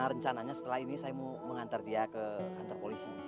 rencananya setelah ini saya mau mengantar dia ke kantor polisi